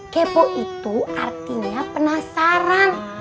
kepo itu artinya penasaran